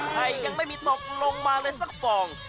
ยังไม่มีตกลงมาเลยสักฟอง